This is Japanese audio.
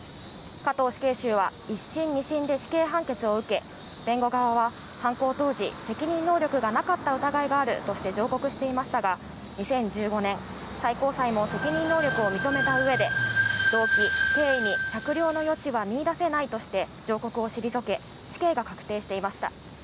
加藤死刑囚は一審、二審で死刑判決を受け、弁護側は犯行当時、責任能力がなかった疑いがあるとして上告していましたが、２０１５年、最高裁も責任能力を認めた上で、動機、経緯に酌量の余地は見いだせないとして上告を退け、死刑が確定していました。